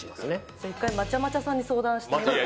じゃあ一回まちゃまちゃさんに相談してみます